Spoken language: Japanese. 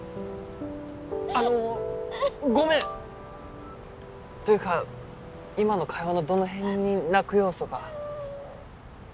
あのごめん！というか今の会話のどの辺に泣く要素が？